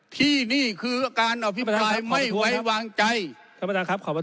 ที่นี่คือการอภิปรายไม่ไว้วางใจท่านประธานครับขอบคุณ